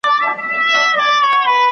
¬ ماما مه گوره، پوستين ئې گوره.